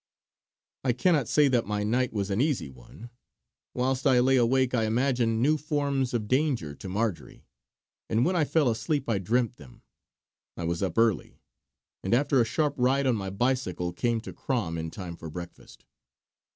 I cannot say that my night was an easy one. Whilst I lay awake I imagined new forms of danger to Marjory; and when I fell asleep I dreamt them. I was up early, and after a sharp ride on my bicycle came to Crom in time for breakfast.